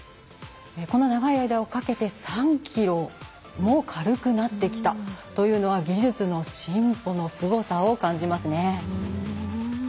長い間をかけて３ｋｇも軽くなってきたというのは技術の進歩のすごさを感じますね。